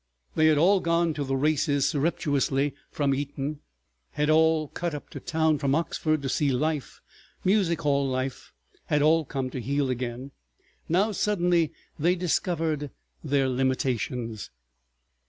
They had all gone to the races surreptitiously from Eton, had all cut up to town from Oxford to see life—music hall life—had all come to heel again. Now suddenly they discovered their limitations.